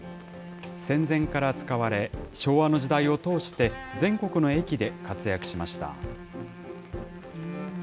戦前から使われ、昭和の時代を通して、全国の駅で活躍しました。